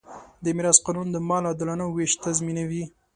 د میراث قانون د مال عادلانه وېش تضمینوي.